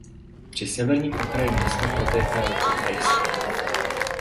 Při severním okraji města protéká řeka Fraser.